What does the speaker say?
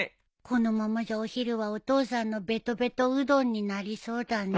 このままじゃお昼はお父さんのベトベトうどんになりそうだね